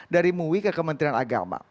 dari mui ke kementerian agama